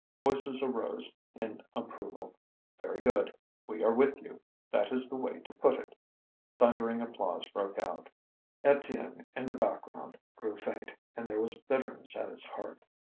Voices arose in approval: "Very good! we are with you! that is the way to put it!" Thundering applause broke out. Étienne, in the background, grew faint, and there was bitterness at his heart.